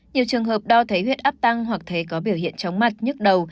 nhiều trường hợp đo thấy huyết áp tăng hoặc thấy có biểu hiện trống mặt nhức đầu